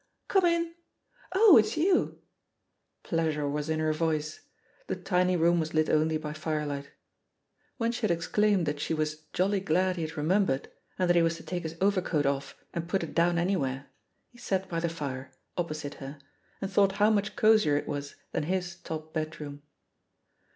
"Come in! Oh, it's you r Pleasure was in her voice. The tiny room was lit only hy firelight. When she had exclaimed that she was "jolly glad he had remembered, and that he was to take his overcoat off and put it down anywhere/* he sat by the fire, opposite her, and thought how much cosier it was than his top bedroom.